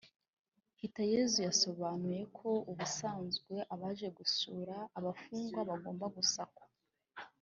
Hitayezu yasobanuye ko ubusanzwe abaje gusura abafungwa bagomba gusakwa